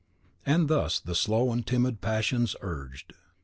(And thus the slow and timid passions urged.)